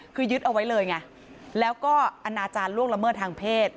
คือยึดเอาไว้เลยไงแล้วก็อนาจารย์ล่วงละเมิดทางเพศ